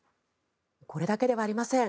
これだけではありません。